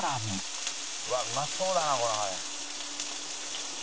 「うわっうまそうだなこれ」